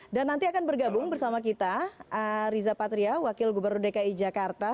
dan nanti akan bergabung bersama kita riza patria wakil gubernur dki jakarta